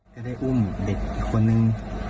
ก็ได้อุ้มเด็กอีกคนนึง